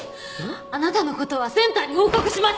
あなたの事はセンターに報告します！